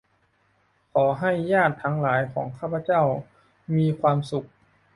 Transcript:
ขอให้ญาติทั้งหลายของข้าพเจ้ามีความสุข